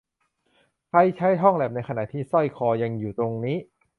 ใครใช้ห้องแลปในขณะที่สร้อยคอยังอยู่ตรงนี้